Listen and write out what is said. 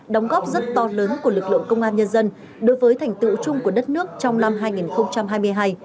đóng góp rất to lớn của lực lượng công an nhân dân đối với thành tựu chung của đất nước trong năm hai nghìn hai mươi hai